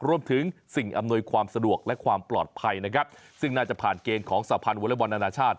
รวมถึงสิ่งอำนวยความสะดวกและความปลอดภัยนะครับซึ่งน่าจะผ่านเกณฑ์ของสาพันธ์วอเล็กบอลนานาชาติ